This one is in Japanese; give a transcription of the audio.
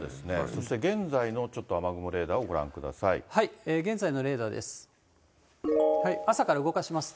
そして現在のちょっと雨雲レーダーをご覧くださ現在のレーダーです。